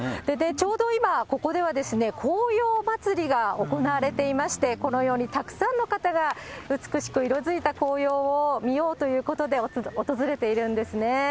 ちょうど今、ここでは紅葉まつりが行われていまして、このようにたくさんの方が美しく色づいた紅葉を見ようということで、訪れているんですね。